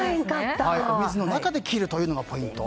お水の中で切るのがポイント。